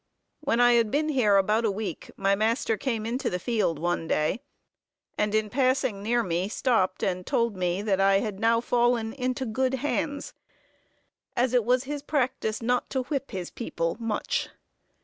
When I had been here about a week, my master came into the field one day, and, in passing near me, stopped and told me that I had now fallen into good hands, as it was his practice not to whip his people much.